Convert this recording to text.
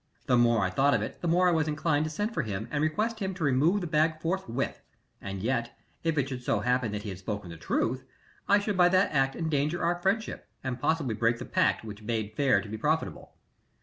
The more I thought of it the more was I inclined to send for him and request him to remove the bag forthwith, and yet, if it should so happen that he had spoken the truth, I should by that act endanger our friendship and possibly break the pact, which bade fair to be profitable.